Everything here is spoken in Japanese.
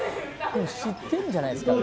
でも知ってんじゃないですか